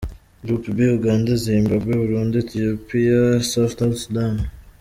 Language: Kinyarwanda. Group B: Uganda, Zimbabwe, Burundi, Ethiopia, South Sudan.